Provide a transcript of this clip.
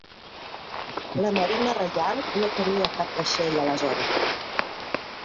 La Marina Reial no tenia cap vaixell a la zona.